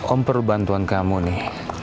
om perlu bantuan kamu nih